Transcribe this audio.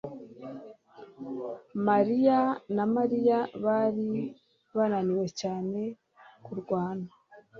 mariya na Mariya bari bananiwe cyane kurwana